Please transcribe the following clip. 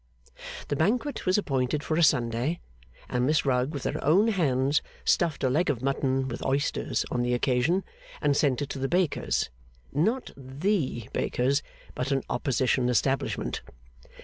The banquet was appointed for a Sunday, and Miss Rugg with her own hands stuffed a leg of mutton with oysters on the occasion, and sent it to the baker's not the baker's but an opposition establishment.